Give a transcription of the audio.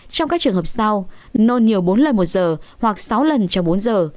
trong các trường hợp sau nôn nhiều bốn lần một giờ hoặc sáu lần cho bốn giờ